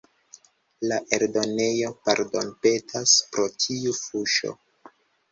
La eldonejo pardonpetas pro tiu fuŝo.